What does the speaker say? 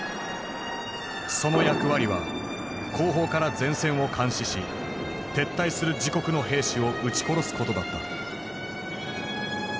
その役割は後方から前線を監視し撤退する自国の兵士を撃ち殺すことだった。